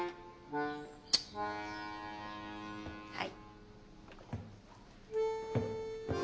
はい。